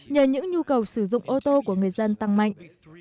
nhờ những nhu cầu sử dụng ô tô của người dân tăng mạnh